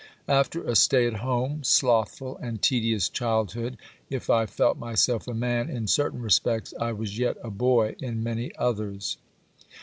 After a stay at home, slothful and tedious childhood, if I felt myself a man in certain respects, I was yet a boy in many others.